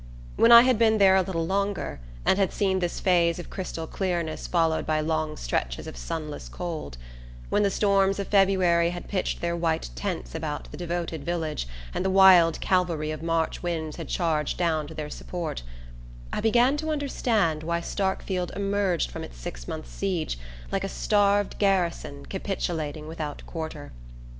When I had been there a little longer, and had seen this phase of crystal clearness followed by long stretches of sunless cold; when the storms of February had pitched their white tents about the devoted village and the wild cavalry of March winds had charged down to their support; I began to understand why Starkfield emerged from its six months' siege like a starved garrison capitulating without quarter.